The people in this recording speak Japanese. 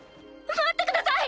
待ってください！